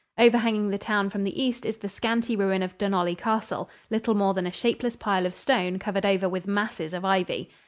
Overhanging the town from the east is the scanty ruin of Dunollie Castle, little more than a shapeless pile of stone covered over with masses of ivy.